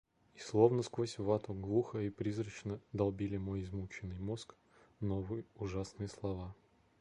И, словно сквозь вату, глухо и призрачно долбили мой измученный мозг новые ужасные слова: —.